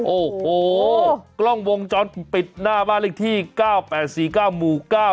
โอ้โหกล้องวงจรปิดหน้าบ้านเล็กที่เก้าแปดสี่เก้ามู่เก้า